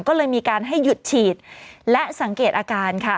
ก็เลยมีการให้หยุดฉีดและสังเกตอาการค่ะ